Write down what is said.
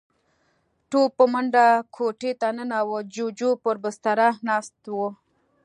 تواب په منډه کوټې ته ننوت. جُوجُو پر بستره ناست و.